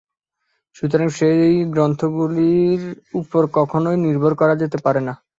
সুতরাং সেই গ্রন্থগুলির উপর কখনই নির্ভর করা যেতে পারে না।